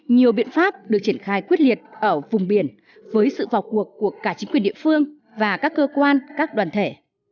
nhiều biện pháp được triển khai quyết liệt ở vùng biển với sự vào cuộc của cả chính quyền địa phương và các cơ quan các đoàn thể